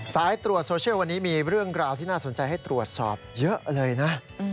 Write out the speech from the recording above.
สายตรวจโซเชียลวันนี้มีเรื่องราวที่น่าสนใจให้ตรวจสอบเยอะเลยนะ